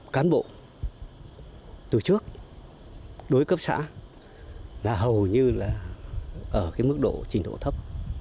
cán bộ từ trước đối cấp xã là hầu như là ở cái mức độ trình độ thấp